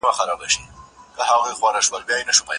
دا سیسټم تر هغه بل ډېر خوندي دی.